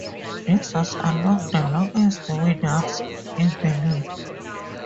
This was among the longest windups in the league.